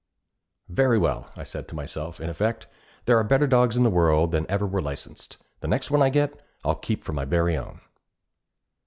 'Very well,' I said to myself in effect, 'there are better dogs in the world than ever were licensed. The next one I get, I'll keep for my very own.'